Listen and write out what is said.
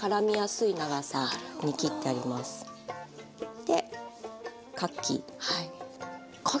でかき。